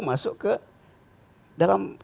masuk ke dalam